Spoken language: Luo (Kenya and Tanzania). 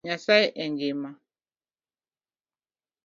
Nyasaye engima